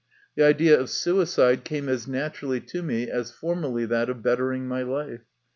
The idea of suicide came as naturally to me as formerly that of bettering my life.